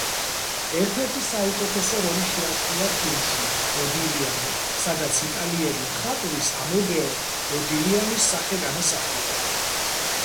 ერთ-ერთი საუკეთესო როლი შეასრულა ფილმში „მოდილიანი“, სადაც იტალიელი მხატვრის ამადეო მოდილიანის სახე განასახიერა.